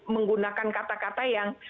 menggunakan kata kata yang